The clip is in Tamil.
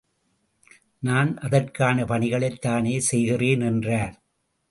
நான் அதற்கான பணிகளைத் தானே செய்கிறேன் என்றார்.